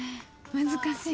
難しい。